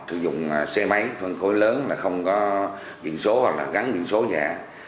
thực dụng xe máy phân khối lớn là không có biện số hoặc là gắn biện số nhà